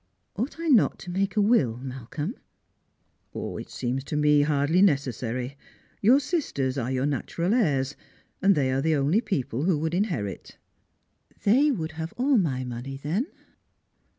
Ought I not to make a will, Malcolm p" " It seems to me hardly necessary. Your sisters are your natural heirs, and they are the only people who would in herit." " They would have all my money, then